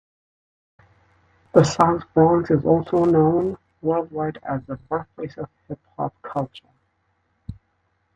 The South Bronx is also known worldwide as the birthplace of hip-hop culture.